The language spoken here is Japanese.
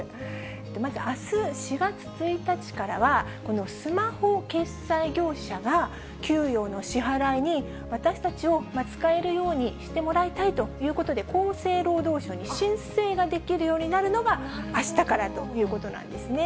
まずあす４月１日からは、このスマホ決済業者が給与の支払いに私たちを使えるようにしてもらいたいということで、厚生労働省に申請ができるようになるのがあしたからということなんですね。